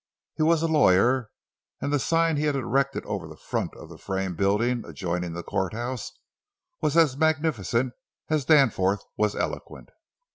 He was a lawyer, and the sign he had erected over the front of the frame building adjoining the courthouse was as magnificent as Danforth was eloquent.